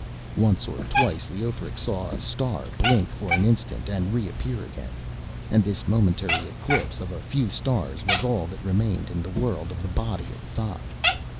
Once or twice Leothric saw a star blink for an instant and reappear again, and this momentary eclipse of a few stars was all that remained in the world of the body of Thok.